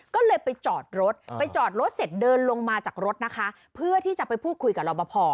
ก็เลยไปจอดรถไปจอดรถเสร็จเดินลงมาจากรถนะคะเพื่อที่จะไปพูดคุยกับรอบพอ